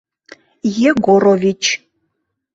— Егорович.